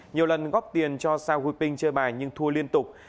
nhiều lần góp tiền cho sao gu ping chơi bài nhưng thua liên tục